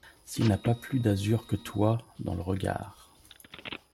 S’il n’a pas plus d’azur que toi dans le regard.